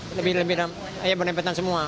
lebih lebih berlebihan semua